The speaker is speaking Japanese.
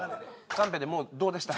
カンペでもう「どうでした？」